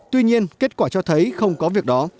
tuy nhiên kết quả cho thấy không có việc đó